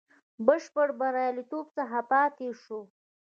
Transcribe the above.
بشپړ بریالیتوب څخه پاته شو.